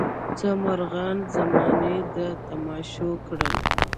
څه مرغان زمانې د تماشو کړل.